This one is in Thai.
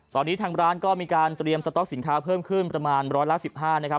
ตอนนี้ทางร้านก็มีการเตรียมสต๊อกสินค้าเพิ่มขึ้นประมาณร้อยละ๑๕นะครับ